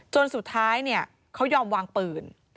จนสุดท้ายเขายอมวางปืน